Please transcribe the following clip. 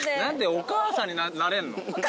お母さんになれんの？